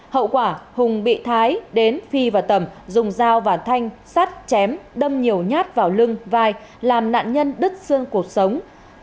hậu quả hùng bị thái đến phi và tầm dùng dao và thanh sắt chém đâm nhiều nhát vào lưng vai làm nạn nhân đứt xương cuộc sống